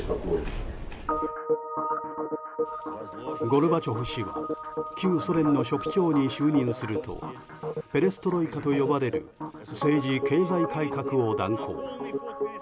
ゴルバチョフ氏は旧ソ連の書記長に就任するとペレストロイカと呼ばれる政治・経済改革を断行。